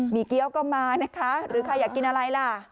มีเกี้ยวก็มานะคะหรือใครอยากกินอะไรล่ะ